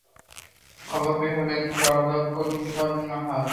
খবর পেয়ে হলের প্রাধ্যক্ষ নীলুফার নাহার আবাসিক শিক্ষকদের নিয়ে পরিস্থিতি শান্ত করেন।